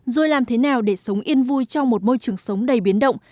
rồi làm thế nào để sống yên vui trong một môi trường sống đầy biến động